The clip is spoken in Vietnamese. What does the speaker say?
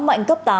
mạnh cấp tám